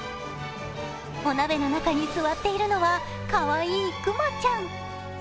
お鍋の中に座っているのは、かわいいくまちゃん。